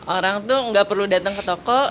orang itu nggak perlu datang ke toko